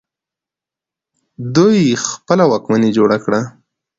دوی خپله واکمني جوړه کړه